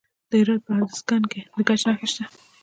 د هرات په ادرسکن کې د ګچ نښې شته.